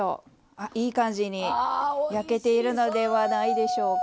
あっいい感じに焼けているのではないでしょうか。